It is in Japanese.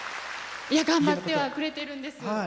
頑張ってはくれてるんです。